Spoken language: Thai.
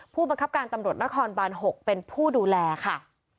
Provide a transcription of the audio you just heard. ผู้บังคับการตำรวจนครบาน๖เป็นผู้ดูแลค่ะ